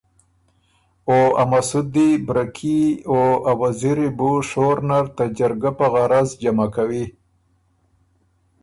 او ا مسُودی، بره کي او ا وزیری بُو شور نر ته جرګه په غرض جمع کوی